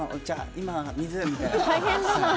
今は水！みたいな。